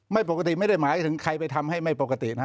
ไม่ปกติไม่ได้หมายถึงใครไปทำให้ไม่ปกตินะฮะ